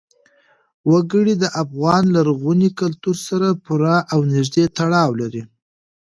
وګړي د افغان لرغوني کلتور سره پوره او نږدې تړاو لري.